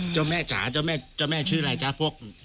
เจ้าแม่จ๋าเจ้าแม่เจ้าแม่ชื่ออะไรจ๊ะพวก